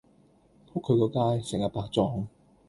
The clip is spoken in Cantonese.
仆佢個街，成日白撞